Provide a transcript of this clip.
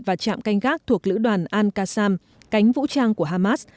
và trạm canh gác thuộc lữ đoàn al qassam cánh vũ trang của hamas